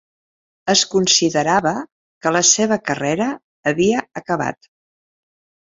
Es considerava que la seva carrera havia acabat.